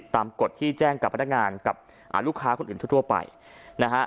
กฎที่แจ้งกับพนักงานกับลูกค้าคนอื่นทั่วไปนะฮะ